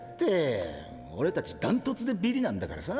俺たちダントツでビリなんだからさぁ。